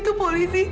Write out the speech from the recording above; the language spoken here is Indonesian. aku udah selesai